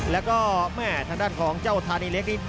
แล้วก็แม่ทางด้านของเจ้าธานีเล็กนี่